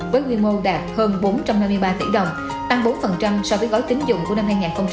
với quy mô đạt hơn bốn trăm năm mươi ba tỷ đồng tăng bốn so với gói tính dụng của năm hai nghìn hai mươi ba